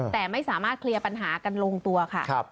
แต่ไม่สามารถเคลียร์ปัญหากันลงตัวค่ะ